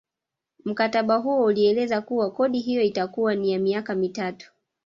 Mkataba huo ulieleza kuwa kodi hiyo itakuwa ni ya miaka mitatu